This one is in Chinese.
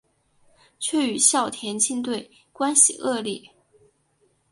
却与校田径队关系恶劣。